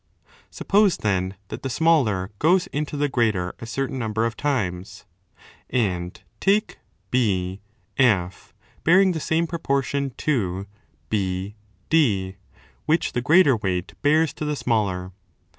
Suppose then that the smaller goes into the greater a certain number of times, and take BF bearing 273° the same proportion to BD which the greater weight bears to the smaller.